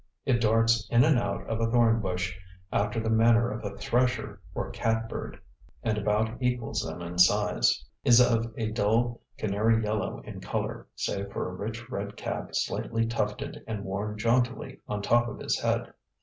It darts in and out of a thorn bush after the manner of a thresher or cat bird, and about equals them in size; is of a dull canary yellow in color save for a rich red cap slightly tufted and worn jauntily on top of his head.